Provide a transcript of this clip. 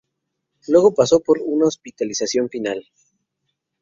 Luego pasó por una hospitalización final.